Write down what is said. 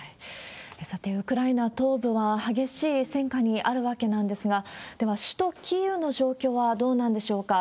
さて、ウクライナ東部は激しい戦禍にあるわけなんですが、では、首都キーウの状況はどうなんでしょうか。